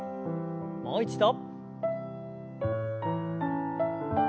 もう一度。